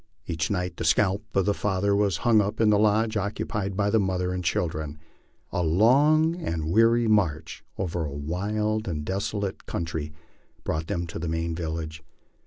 Each night the scalp of the father was hung up in the lodge occupied by the mother and children. A long and weary march over a wild and desolate country brought them to the main village.